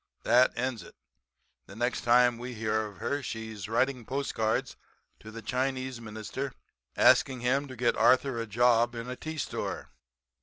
That ends it. The next time we hear of her she is writing postcards to the Chinese Minister asking him to get Arthur a job in a tea store.'